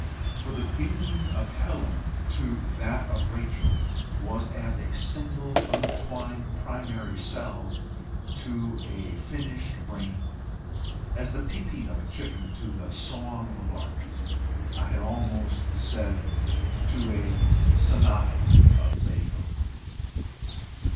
For the being of Helen to that of Rachel was as a single, untwined primary cell to a finished brain; as the peeping of a chicken to the song of a lark I had almost said, to a sonata of Beethoven.